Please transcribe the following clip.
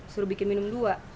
suruh bikin minum dua